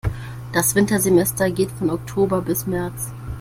Das Wintersemester geht von Oktober bis März.